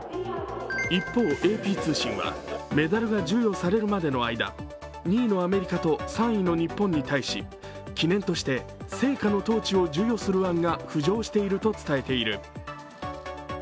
一方、ＡＰ通信はメダルが授与されるまでの間、２位のアメリカと３位の日本に対し記念として聖火のトーチを授与する案が浮上していると伝えている。